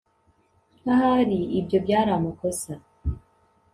ahari ibyo byari amakosa